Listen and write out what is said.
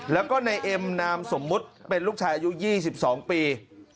แล้วก็ในเอ็มนามสมมุติเป็นลูกชายอายุ๒๒ปี